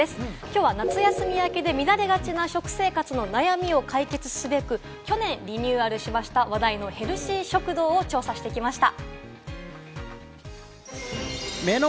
きょうは夏休み明けで乱れがちな食生活の悩みを解決すべく、去年、リニューアルした話題のヘルシー食堂を調査してきました。